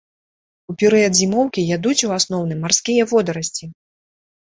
У перыяд зімоўкі ядуць у асноўным марскія водарасці.